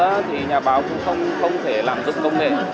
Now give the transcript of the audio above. thì nhà báo cũng không thể làm giúp công nghệ